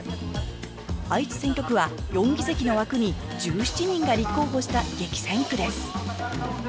愛知選挙区は４議席の枠に１７人が立候補した激戦区です